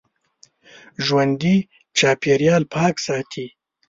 ژوندي چاپېریال پاک ساتي